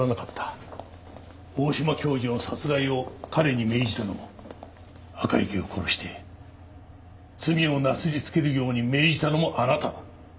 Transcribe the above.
大島教授の殺害を彼に命じたのも赤池を殺して罪をなすりつけるように命じたのもあなただ。